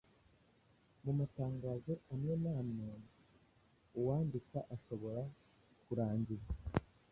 Mu matangazo amwe n’amwe uwandika ashobora kurangiza